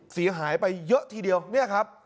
เสียหายไปเยอะทีเดียวเนี่ยครับ